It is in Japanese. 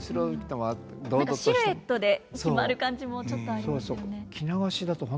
何かシルエットで決まる感じもちょっとありますよね。